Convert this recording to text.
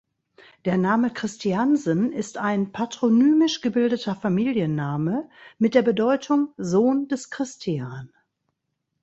Der Name „Christiansen“ ist ein patronymisch gebildeter Familienname mit der Bedeutung „Sohn des Christian“.